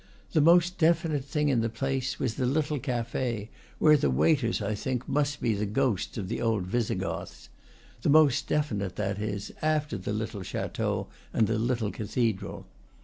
The most definite thing in the place was the little cafe, where. the waiters, I think, must be the ghosts of the old Visigoths; the most definite, that is, after the little chateau and the little cathedral.